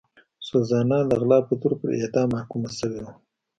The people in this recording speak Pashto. سوزانا د غلا په تور پر اعدام محکومه شوې وه.